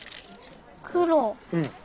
黒。